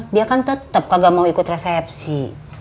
dia kan tetap kagak mau ikut resepsi